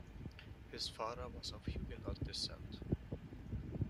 His father was of Huguenot descent.